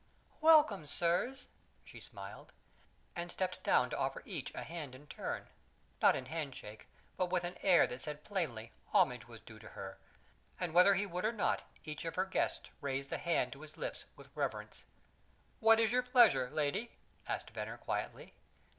"Welcome, sirs," she smiled, and stepped down to offer each a hand in turn not in handshake, but with an air that said plainly homage was due to her; and whether he would or not, each of her guests raised the hand to his lips with reverence. "What is your pleasure, lady?" asked Venner quietly.